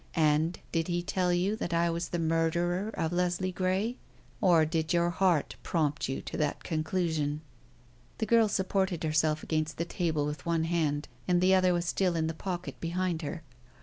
And did he tell you that I was the murderer of Leslie Grey? Or did your heart prompt you to that conclusion?" The girl supported herself against the table with one hand, and the other was still in the pocket behind her.